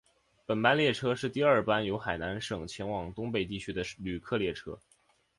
本班列车是第二班由海南省前往东北地区的旅客列车。